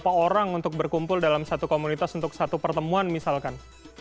ada banyak orang untuk berkumpul dalam satu komunitas untuk satu pertemuan misalkan